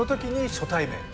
初対面